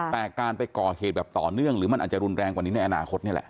แต่การไปก่อเหตุแบบต่อเนื่องหรือมันอาจจะรุนแรงกว่านี้ในอนาคตนี่แหละ